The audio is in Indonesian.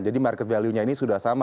jadi market value nya ini sudah sampai